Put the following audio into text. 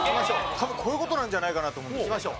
多分こういう事なんじゃないかなと思う。